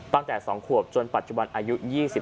ตั้งแต่๒ขวบจนปัจจุบันอายุ๒๕